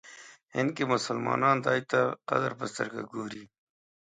هند کې مسلمانان دی ته قدر په سترګه ګوري.